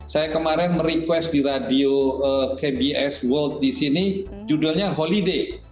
saya kemarin merequest di radio kbs world di sini judulnya holiday